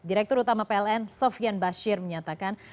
direktur utama pln sofian bashir menyatakan